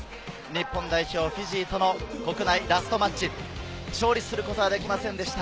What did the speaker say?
日本代表、フィジーとの国内ラストマッチ、勝利することはできませんでした。